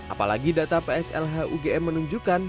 apalagi data pslh ugm menunjukkan